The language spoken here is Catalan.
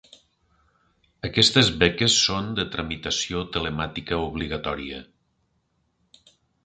Aquestes beques són de tramitació telemàtica obligatòria.